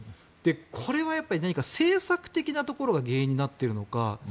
これはやっぱり政策的なところが原因になっているのか。